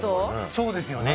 そうですよね。